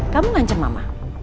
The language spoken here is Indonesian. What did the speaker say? kamu ngancam mama